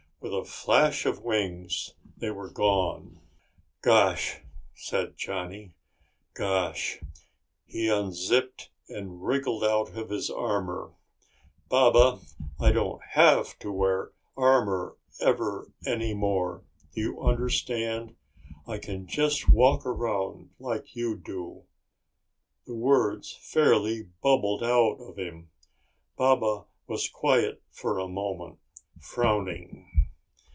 With a flash of wings they were gone. "Gosh," said Johnny. "Gosh!" He unzipped and wriggled out of his armor. "Baba, I don't have to wear armor ever any more. Do you understand? I can just walk around like you do!" The words fairly bubbled out of him. Baba was quiet for a moment, frowning.